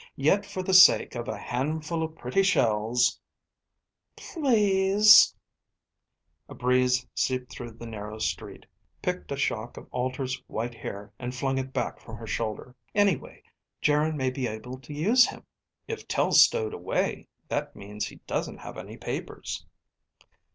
Yet for the sake of a handful of pretty shells ..." "Please ..." A breeze seeped through the narrow street, picked a shock of Alter's white hair and flung it back from her shoulder. "Anyway, Geryn may be able to use him. If Tel stowed away, that means he doesn't have any papers."